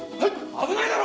危ないだろ！